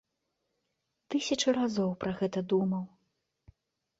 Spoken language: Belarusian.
Тысячу разоў пра гэта думаў.